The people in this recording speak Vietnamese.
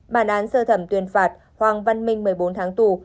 bản án sơ thẩm tuyên phạt hoàng văn minh một mươi bốn tháng tù